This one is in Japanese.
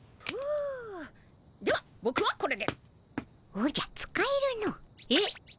おじゃ使えるの。え？